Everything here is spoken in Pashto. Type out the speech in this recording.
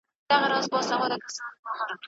هغه وويل چي زه سبا راځم.